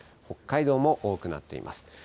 北海道も多くなっています。